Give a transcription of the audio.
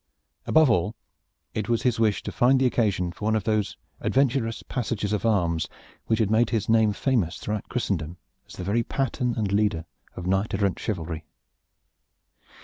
Above all it was his wish to find the occasion for one of those adventurous passages of arms which had made his name famous throughout Christendom as the very pattern and leader of knight errant chivalry.